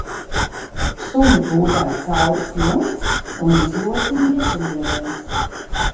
Suņu būdai caurs jumts un izļodzījies lievenis.